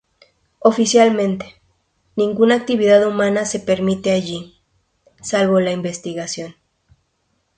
Oficialmente, ninguna actividad humana se permite allí, salvo la investigación.